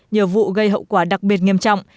nhiều vụ gây hậu quả đặc biệt nghiêm trọng